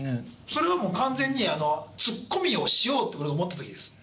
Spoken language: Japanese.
それはもう完全にツッコミをしようって俺が思った時です。